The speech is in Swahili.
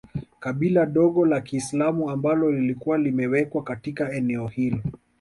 Kabila dogo la kiislamu ambalo lilikuwa limewekwa katika eneo hilo